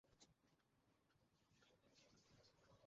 আমাদের মাননীয় প্রধানমন্ত্রী আমার সাথে দেখা করতে অস্বীকার করেছেন।